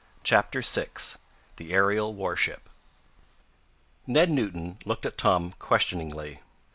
CHAPTER VI THE AERIAL WARSHIP Ned Newton looked at Tom questioningly.